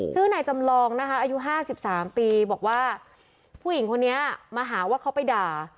ชื่อนายจำลองนะคะอายุ๕๓ปีบอกว่าผู้หญิงคนนี้มาหาว่าเขาไปด่า